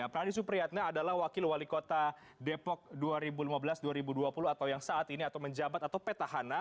pradi supriyatna adalah wakil wali kota depok dua ribu lima belas dua ribu dua puluh atau yang saat ini atau menjabat atau petahana